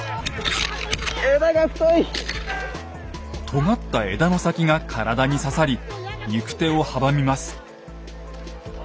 とがった枝の先が体に刺さり行く手を阻みます。